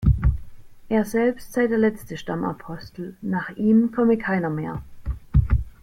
Er selbst sei der letzte Stammapostel; nach ihm komme keiner mehr.